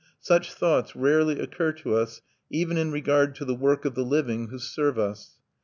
Such thoughts rarely occur to us even in regard to the work of the living who serve us.